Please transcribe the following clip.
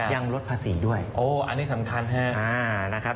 ยังลดภาษีด้วยอันนี้สำคัญฮะ